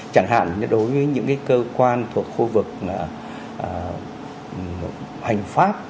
chẳng hạn như đối với những cơ quan thuộc khu vực hành pháp